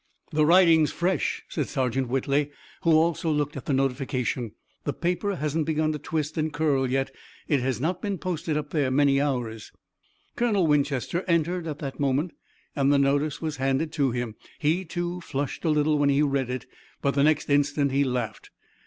"The writing's fresh," said Sergeant Whitley, who also looked at the notification. "The paper hasn't begun to twist and curl yet. It's not been posted up there many hours." Colonel Winchester entered at that moment and the notice was handed to him. He, too, flushed a little when he read it, but the next instant he laughed.